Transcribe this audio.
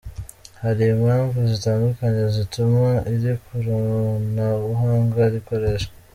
Hari impamvu zitandukanye zituma iri koranabuhanga rigikoreshwa.